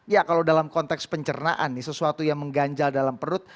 ya kalau dalam konteks pencernaan nih sesuatu yang mengganjal dalam perut